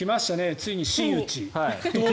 ついに真打ち。